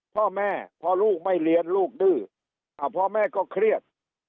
พ่อแม่พอลูกไม่เรียนลูกดื้อพ่อแม่ก็เครียด